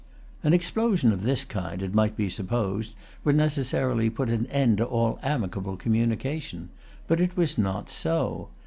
An explosion of this kind, it might be supposed, would necessarily put an end to all amicable communication. But it was not so.